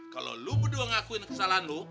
kalau lu berdua ngakuin kesalahan lo